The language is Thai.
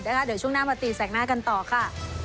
เดี๋ยวช่วงหน้ามาตีแสกหน้ากันต่อค่ะ